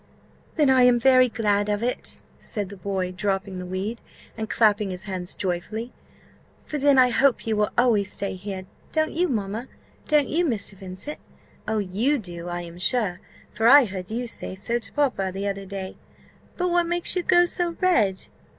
"Then I am very glad of it!" said the boy, dropping the weed, and clapping his hands joyfully; "for then I hope you will always stay here, don't you, mamma? don't you, Mr. Vincent? Oh, you do, I am sure, for I heard you say so to papa the other day! But what makes you grow so red?"